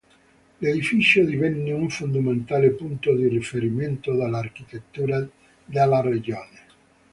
L'edificio divenne un fondamentale punto di riferimento dell'architettura della regione.